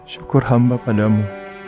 syukur hamba padamu